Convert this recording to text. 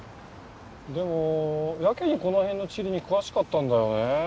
でもやけにこの辺の地理に詳しかったんだよね。